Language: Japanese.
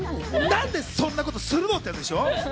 何でそんなことするの？ってやつでしょ？